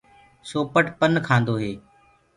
سوپٽ پن کآندو هي۔